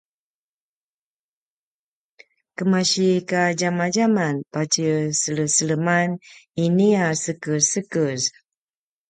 kemasi kadjamadjaman patje seleseleman inia sekesekez